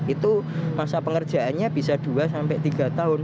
itu masa pengerjaannya bisa dua sampai tiga tahun